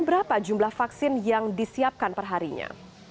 berapa jumlah vaksin yang disiapkan perharinya